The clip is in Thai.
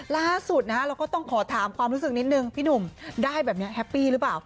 ล่าสุดนะฮะเราก็ต้องขอถามความรู้สึกนิดนึงพี่หนุ่มได้แบบนี้แฮปปี้หรือเปล่า